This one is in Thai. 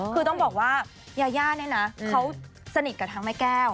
คือต้องบอกว่ายาย่าเนี่ยนะเขาสนิทกับทั้งแม่แก้ว